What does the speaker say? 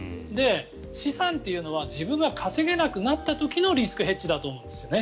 資産というのは自分が稼げなくなった時のリスクヘッジだと思うんですよね。